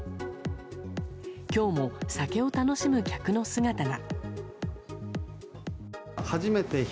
今日も酒を楽しむ客の姿が。